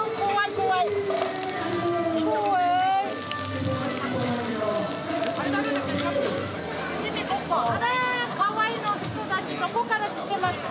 怖い！あらかわいい人たちどこから来てますか？